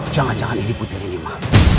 jangan jangan ini putri nima